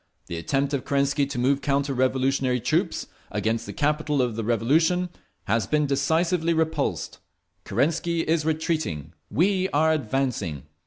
The attempt of Kerensky to move counter revolutionary troops against the capital of the Revolution has been decisively repulsed. Kerensky is retreating, we are advancing.